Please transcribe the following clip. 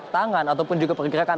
tangan ataupun juga pergerakan